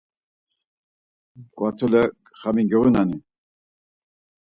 Mǩvatule xami giğunani?